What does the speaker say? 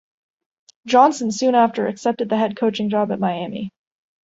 Johnson soon after accepted the head coaching job at Miami.